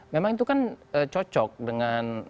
memang itu kan cocok dengan